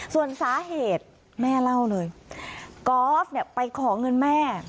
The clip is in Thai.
ส่วนสาเหตุแม่เล่าเลยกอล์ฟเนี่ยไปขอเงินแม่